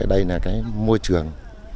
đây là cái môi trường